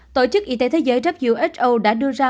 tổ chức y tế thế giới who đã đưa ra